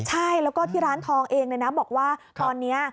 ใช่แล้วก็ที่ร้านทองเองเลยนะบอกว่าตอนนี้